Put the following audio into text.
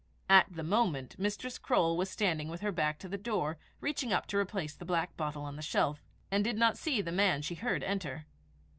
At the moment, Mistress Croale was standing with her back to the door, reaching up to replace the black bottle on its shelf, and did not see the man she heard enter.